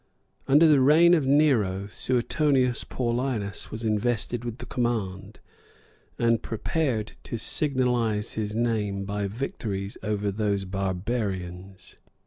59.] Under the reign of Nero, Suetonius Paulinus was invested with the command, and prepared to signalize his name by victories over those barbarians.